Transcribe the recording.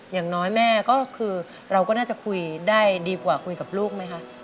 อย่างน้อยแม่ก็คือเราก็น่าจะคุยได้ดีกว่าคุยกับลูกไหมคะ